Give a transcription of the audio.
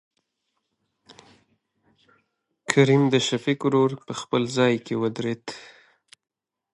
کريم دشفيق ورور په خپل ځاى کې ودرېد.